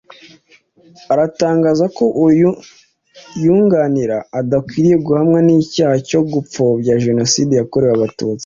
aratangaza ko uwo yunganira adakwiriye guhamwa n’icyaha cyo gupfobya Jenoside yakorewe Abatutsi